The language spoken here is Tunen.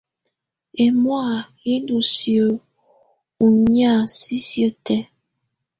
Ɛmɔ̀á yɛ ndù siǝ́ ɔ ɔnɛ̀á sisiǝ́ tɛ̀á.